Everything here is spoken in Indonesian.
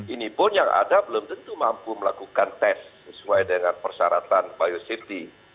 ini pun yang ada belum tentu mampu melakukan tes sesuai dengan persyaratan biosafety